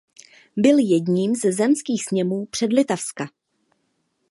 Byl jedním ze zemských sněmů Předlitavska.